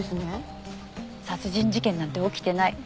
殺人事件なんて起きてない。